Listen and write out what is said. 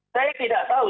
saya tidak tahu